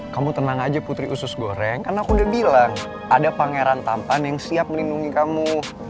kamu tenang aja putri usus goreng karena aku udah bilang ada pangeran tampan yang siap melindungi kamu